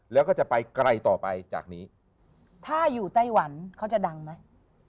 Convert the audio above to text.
แล้วก็จะไปไกลต่อไปจากนี้ถ้าอยู่ไต้หวันเขาจะดังไหม